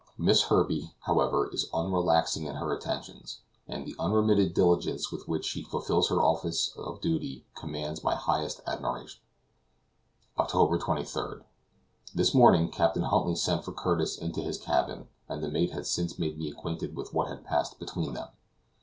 Miss Herbey, however, is unrelaxing in her attentions, and the unremitted diligence with which she fulfills her offices of duty, commands my highest admiration. OCTOBER 23. This morning, Captain Huntly sent for Curtis into his cabin, and the mate has since made me acquainted with what passed between them.